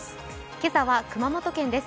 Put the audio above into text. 今朝は熊本県です。